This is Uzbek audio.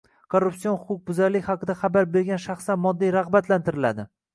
Korrupsion huquqbuzarlik haqida xabar bergan shaxslar moddiy ragʻbatlantiriladi.